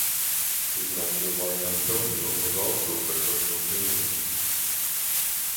His nephew Marcantonio was also a successful general.